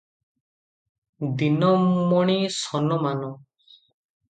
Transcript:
ଦିନମଣି ସନମାନ?